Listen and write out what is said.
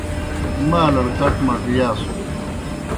مالڑ کڇ مڇ یاسُن۔